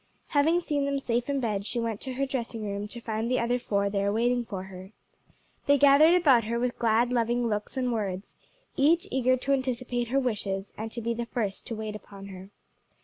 Having seen them safe in bed, she went to her dressing room, to find the other four there waiting for her. They gathered about her with glad, loving looks and words, each eager to anticipate her wishes and to be the first to wait upon her.